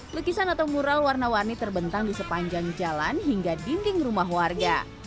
lukisan atau mural warna warni terbentang di sepanjang jalan hingga dinding rumah warga